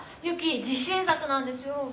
ユキ自信作なんですよ。